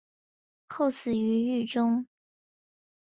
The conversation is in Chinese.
后死于狱中。